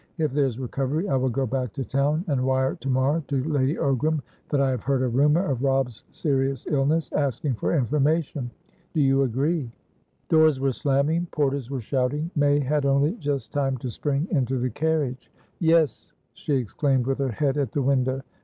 If there's recovery, I will go back to town, and wire to morrow to Lady Ogram that I have heard a rumour of Robb's serious illness, asking for information. Do you agree?" Doors were slamming; porters were shouting. May had only just time to spring into the carriage. "Yes!" she exclaimed, with her head at the window.